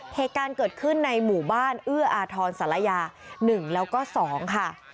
เหตุการณ์เกิดขึ้นในหมู่บ้านเอื้ออาทรศาลยา๑แล้วก็๒ค่ะ